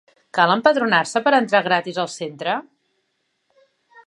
Cal empadronar-se per entrar gratis al centre?